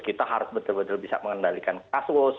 kita harus betul betul bisa mengendalikan kasus